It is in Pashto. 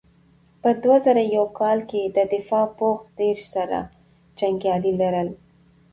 په دوه زره یو کال کې د دفاع پوځ دېرش زره جنګیالي لرل.